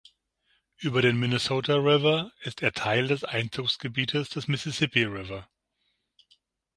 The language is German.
Über den Minnesota River ist er Teil des Einzugsgebietes des Mississippi River.